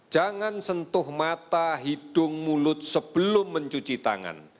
jangan sentuh mata hidung mulut sebelum mencuci tangan